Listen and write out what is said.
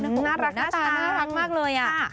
น่ารักมากเลยอ่ะ